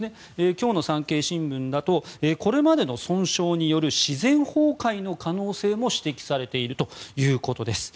今日の産経新聞だとこれまでの損傷による自然崩壊の可能性も指摘されているということです。